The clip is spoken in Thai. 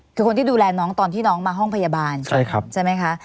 คือคนที่ดูแลน้องตอนที่น้องมาห้องพยาบาลใช่ไหมคะ